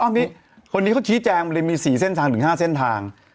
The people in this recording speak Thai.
ตอนนี้คนนี้เขาชี้แจงมันเลยมี๔เส้นทางถึง๕เส้นทาง